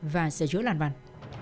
và sở chữa làn văn